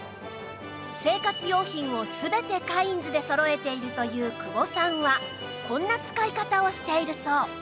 生活用品を全てカインズでそろえているという久保さんはこんな使い方をしているそう